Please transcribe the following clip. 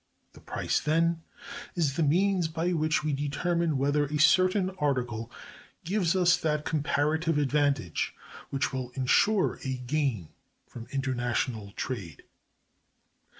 The price, then, is the means by which we determine whether a certain article gives us that comparative advantage which will insure a gain from international trade.